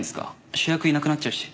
主役いなくなっちゃうし。